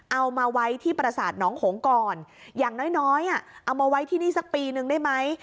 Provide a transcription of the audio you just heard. เอามาไว้ที่ประสาทหนองหงก่อนอย่างน้อยน้อยเอามาไว้ที่นี่สักปีนึงได้ไหม